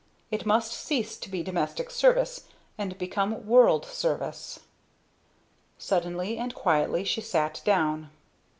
It must cease to be domestic service and become world service." Suddenly and quietly she sat down.